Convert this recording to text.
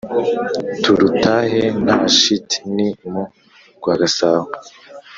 Turutahe nta shiti ni mu rwagasabo